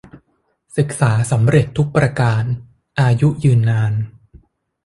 ศึกษาสำเร็จทุกประการ อายุยืนนาน